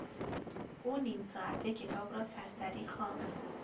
او نیم ساعته کتاب را سرسری خواند.